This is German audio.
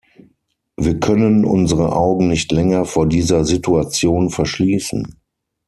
Wir können unsere Augen nicht länger vor dieser Situation verschließen.